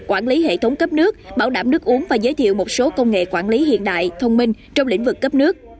quản lý hệ thống cấp nước bảo đảm nước uống và giới thiệu một số công nghệ quản lý hiện đại thông minh trong lĩnh vực cấp nước